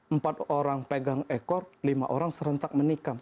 empat orang pegang ekor lima orang serentak menikam